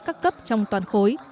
các cấp trong toàn khối